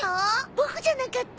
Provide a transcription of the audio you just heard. ボクじゃなかった？